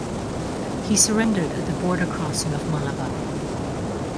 He surrendered at the border crossing of Malaba.